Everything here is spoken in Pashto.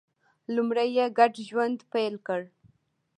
لومړی یې ګډ ژوند پیل کړ